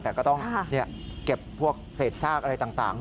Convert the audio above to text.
แต่ก็ต้องเก็บพวกเศษซากอะไรต่าง